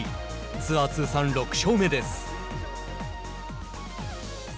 ツアー通算６勝目です。